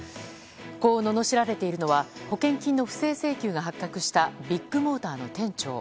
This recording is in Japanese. こう罵られているのは保険金の不正請求が発覚したビッグモーターの店長。